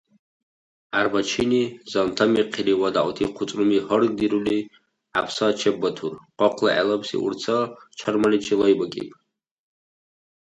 ГӀярбачини, занта михъира ва дягӀути хъуцӀруми гьаргдирули, хӀябсур чеббатур, къакъла гӀелабси урца чармаличи лайбакӀиб.